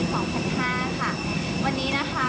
วันนี้นะคะก็รู้สึกดีใจมากเลยค่ะ